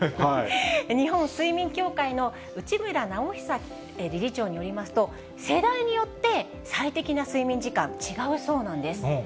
日本睡眠協会の内村直尚理事長によりますと、世代によって最適な睡眠時間、違うそうなんです。